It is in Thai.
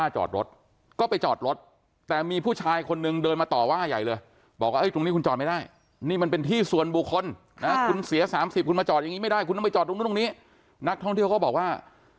จอดตรงนี้นักท่องเที่ยวก็บอกว่า